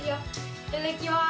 いただきます。